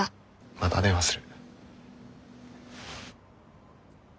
また電話する。